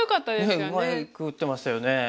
うまく打ってましたよね。